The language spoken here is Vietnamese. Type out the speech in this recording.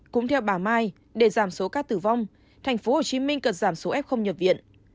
cũng theo bà mai để giảm số ca tử vong tp hcm cần giảm số f nhập viện